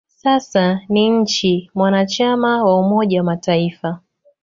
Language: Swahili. Sasa ni nchi mwanachama wa Umoja wa Mataifa.